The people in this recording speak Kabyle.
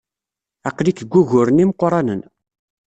Aql-ik deg wuguren imeqranen.